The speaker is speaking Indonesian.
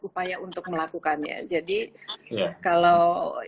upaya untuk melakukannya jadi kalau